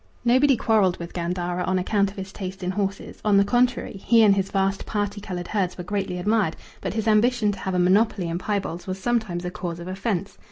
Nobody quarrelled with Gandara on account of his taste in horses; on the contrary, he and his vast parti coloured herds were greatly admired, but his ambition to have a monopoly in piebalds was sometimes a cause of offence.